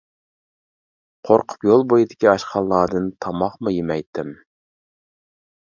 قورقۇپ يول بويىدىكى ئاشخانىلاردىن تاماقمۇ يېمەيتتىم.